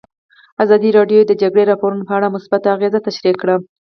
ازادي راډیو د د جګړې راپورونه په اړه مثبت اغېزې تشریح کړي.